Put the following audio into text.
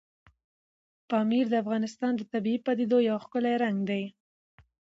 پامیر د افغانستان د طبیعي پدیدو یو ښکلی رنګ دی.